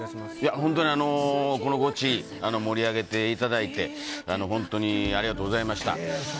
本当にこのゴチ、盛り上げていただいて本当にありがとうございました。